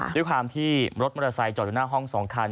ด้วยความที่รถมอเตอร์ไซค์จอดอยู่หน้าห้อง๒คัน